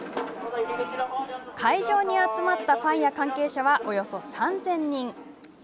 会場に集まったファンや関係者はおよそ３０００人。